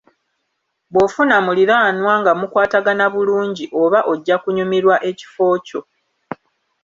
Bwofuna muliraanwa nga mukwatagana bulungi oba ojja kunyumirwa ekifo kyo.